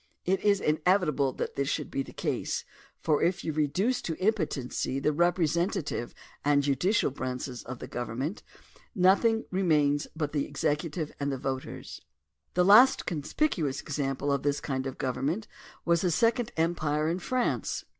It is inevitable that this should be the case, for if you reduce to impotency the representative and judicial branches of the government nothing remains but the executive and the voters. The last conspicuous example of this kind of government was the second empire in France.